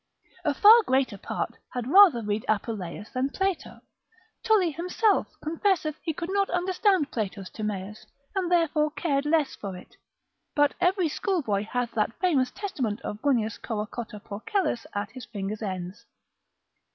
A far greater part had rather read Apuleius than Plato: Tully himself confesseth he could not understand Plato's Timaeus, and therefore cared less for it: but every schoolboy hath that famous testament of Grunnius Corocotta Porcellus at his fingers' ends.